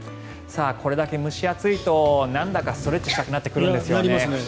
これだけ蒸し暑いとなんだかストレッチしたくなってきますね。